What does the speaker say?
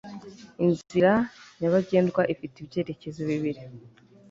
inzira nyabagendwa ifite ibyerekezo bibiri